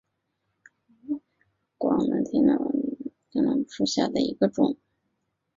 广南天料木为大风子科天料木属下的一个种。